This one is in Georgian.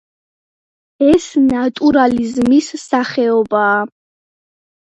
ეს ნატურალიზმის სახეობაა.